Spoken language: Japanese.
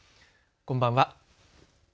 こんばんは。